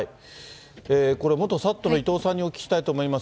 これ、元ＳＡＴの伊藤さんにお聞きしたいと思います。